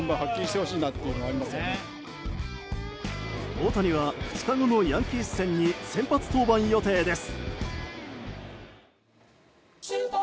大谷は２日後のヤンキース戦に先発登板予定です。